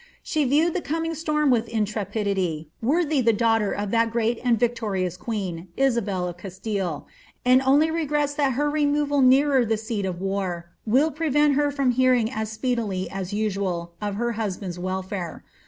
She viewed the coming storm with intrepidity, worthy the daughter of that great and victorious queen, Isabel of Castille, and only regrets that her removal nearer the seat of war will prevent her from hearing as speedily as usual of her husband's welfare.